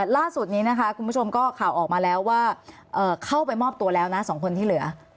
ล่าสุดนี้นะคะคุณผู้ชมก็ข่าวออกมาแล้วว่าเข้าไปมอบตัวแล้วนะ๒คนที่เหลือ